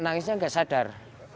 nangisnya gak sadar